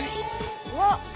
うわっ！